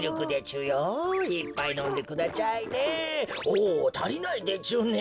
おたりないでちゅね。